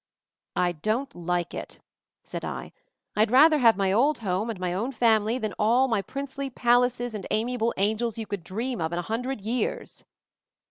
"I don't like it," said I. "I'd rather have my old home and my own family than all the princely palaces and amiable angels MOVING THE MOUNTAIN 45 you could dream of in a hundred years."